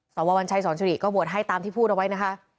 สววัญชัยสอนสิริก็โหวตให้ตามที่พูดเอาไว้นะคะ